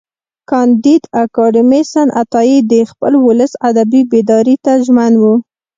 کانديد اکاډميسن عطایي د خپل ولس ادبي بیداري ته ژمن و.